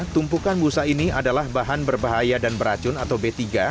tumpukan busa ini adalah bahan berbahaya dan beracun atau b tiga